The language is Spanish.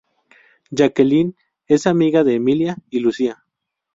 Jacqueline es amiga de Emilia y Lucía.